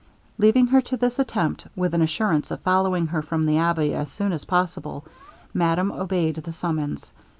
Leaving her to this attempt, with an assurance of following her from the abbey as soon as possible, madame obeyed the summons.